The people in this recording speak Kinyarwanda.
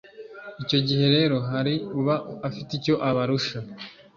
icyo gihe rero hari uba afite icyo abarusha